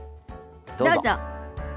どうぞ。